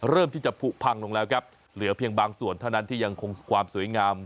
เริ่มที่จะผุพังลงแล้วครับเหลือเพียงบางส่วนเท่านั้นที่ยังคงความสวยงาม